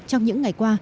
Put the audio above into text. trong những ngày qua